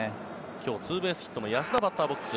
今日ツーベースヒットの安田がバッターボックス。